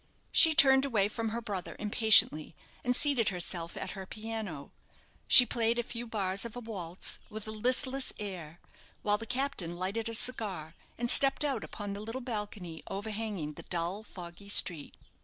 She turned away from her brother impatiently, and seated herself at her piano. She played a few bars of a waltz with a listless air, while the captain lighted a cigar, and stepped out upon the little balcony, overhanging the dull, foggy street.